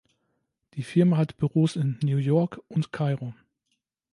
Die Firma hat Büros in New York und Kairo.